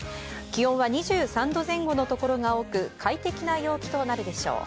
気温は２３度前後の所が多く快適な陽気となるでしょう。